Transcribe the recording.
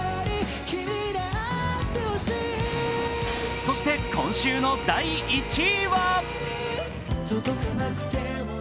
そして今週の第１位は？